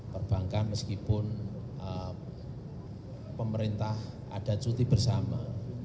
perbankan meskipun pemerintah ada cuti bersama